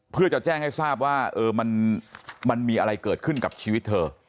เพื่อจะแจ้งให้ทราบว่ามันมีอะไรเกิดขึ้นกับชีวิตเธอ